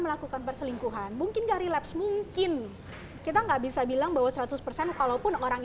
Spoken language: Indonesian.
melakukan perselingkuhan mungkin nggak relapse mungkin kita nggak bisa bilang bahwa seratus persen kalaupun orang